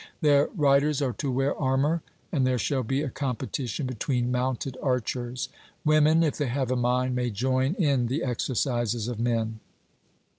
Their riders are to wear armour, and there shall be a competition between mounted archers. Women, if they have a mind, may join in the exercises of men.